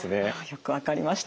よく分かりました。